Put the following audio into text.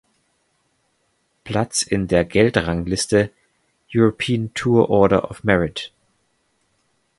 Platz in der Geldrangliste "European Tour Order of Merit".